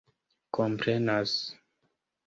komprenas